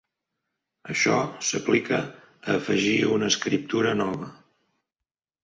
Això s'aplica a afegir una escriptura nova.